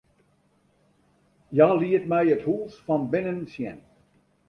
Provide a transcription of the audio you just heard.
Hja liet my it hûs fan binnen sjen.